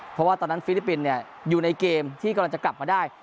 เพราะว่าตอนนั้นฟิลิปปินส์อยู่ในเกมที่กำลังจะกลับมาได้